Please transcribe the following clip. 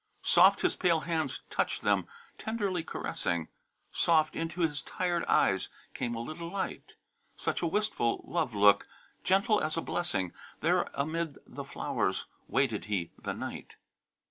Soft his pale hands touched them, tenderly caressing; Soft into his tired eyes came a little light; Such a wistful love look, gentle as a blessing; There amid the flowers waited he the night.